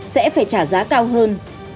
sẽ phải trả giá cao hơn